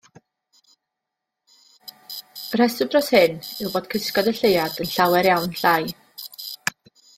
Y rheswm dros hyn yw bod cysgod y Lleuad yn llawer iawn llai.